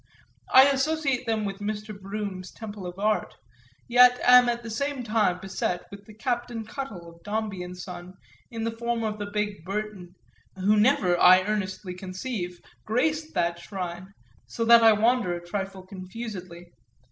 I associate them with Mr. Brougham's temple of the art, yet am at the same time beset with the Captain Cuttle of Dombey and Son in the form of the big Burton, who never, I earnestly conceive, graced that shrine, so that I wander a trifle confusedly.